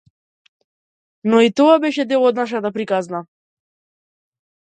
Но и тоа беше дел од нашата приказна.